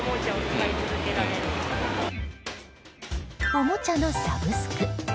おもちゃのサブスク。